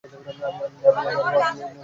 আমি আমার পাওয়ার নিয়ন্ত্রণ করতে পারি না।